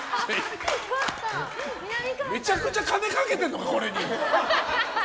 めちゃくちゃ金かけてるのかこれに。